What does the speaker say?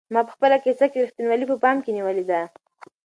ما په خپله کيسه کې رښتینولي په پام کې نیولې ده.